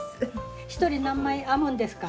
１人何枚編むんですか？